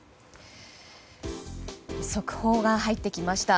速報が入ってきました。